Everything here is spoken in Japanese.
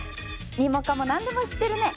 ニモカモ何でも知ってるね！